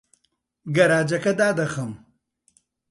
گەراجەکە دادەخەم.